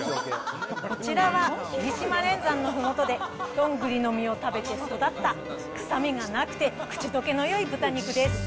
こちらは霧島連山のふもとでどんぐりの実を食べて育った、臭みがなくて口どけのよい豚肉です。